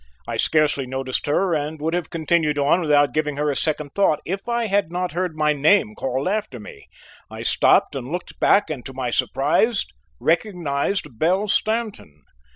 I scarcely noticed her and would have continued on without giving her a second thought if I had not heard my name called after me. I stopped and looked back and, to my surprise, recognized Belle Stanton.